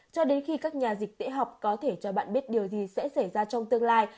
cho đến khi các nhà dịch tễ học có thể cho bạn biết điều gì sẽ xảy ra trong tương lai